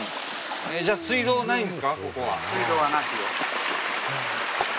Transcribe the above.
じゃあ水道ないんですかここは。